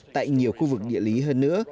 tại nhiều khu vực địa lý hơn nữa